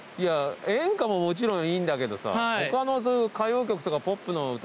演歌ももちろんいいんだけどさ他の歌謡曲とかポップの歌も。